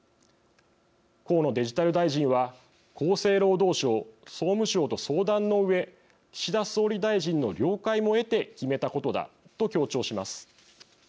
河野デジタル大臣は厚生労働省・総務省と相談のうえ岸田総理大臣の了解も得て決めたことだと強調します。